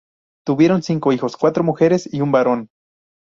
Tuvieron cinco hijos, cuatro mujeres y un varón.